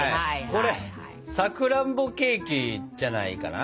これ「さくらんぼケーキ」じゃないかな？